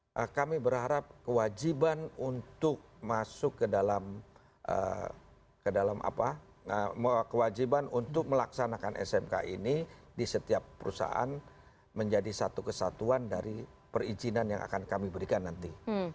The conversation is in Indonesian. nah kami berharap kewajiban untuk masuk ke dalam kewajiban untuk melaksanakan smk ini di setiap perusahaan menjadi satu kesatuan dari perizinan yang akan kami berikan nanti